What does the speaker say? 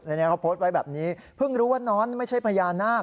อันนี้เขาโพสต์ไว้แบบนี้เพิ่งรู้ว่าน้อนไม่ใช่พญานาค